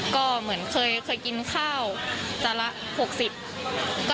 เมื่อเคยกินข้าวจำละ๖๐กว่า